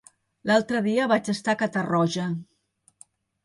L'altre dia vaig estar a Catarroja.